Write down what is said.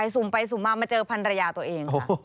สุ่มไปสุ่มมามาเจอพันรยาตัวเองค่ะ